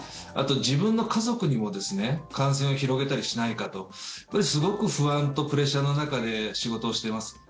あと、自分の家族にも感染を広げたりしないかとすごく不安とプレッシャーの中で仕事をしています。